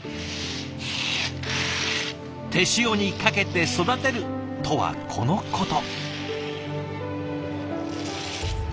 手塩にかけて育てるとはこのこと。